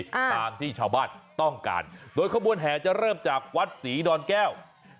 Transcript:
ตามที่ชาวบ้านต้องการโดยขบวนแห่จะเริ่มจากวัดศรีดอนแก้ว